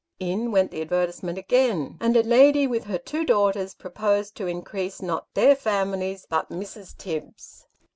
In went the advertisement again, and a lady with her two daughters, proposed to increase not their families, but Mrs. Tibbs's.